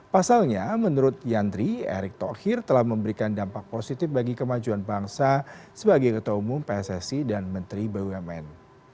pasalnya menurut yandri erick thokir telah memberikan dampak positif bagi kemajuan bangsa sebagai ketua umum pssi dan menteri bumn